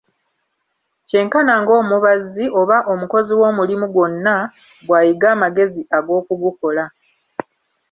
Kyenkana ng'omubazzi, oba omukozi w'omulimu gwonna, bw'ayiga amagezi ag'okugukola.